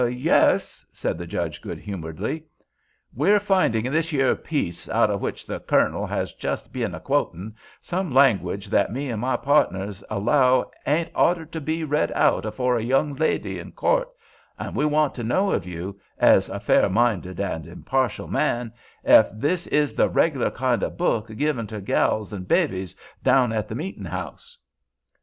"Yes," said the Judge, good humoredly. "We're finding in this yere piece, out of which the Kernel hes just bin a quotin', some language that me and my pardners allow hadn't orter to be read out afore a young lady in court—and we want to know of you—ez a fair minded and impartial man—ef this is the reg'lar kind o' book given to gals and babies down at the meetin' house."